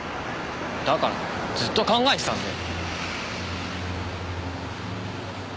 だからずっと考えてたんだよ！